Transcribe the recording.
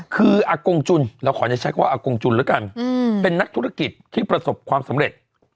คืออากงจุนเราขอจะใช้คำว่าอากงจุนแล้วกันเป็นนักธุรกิจที่ประสบความสำเร็จ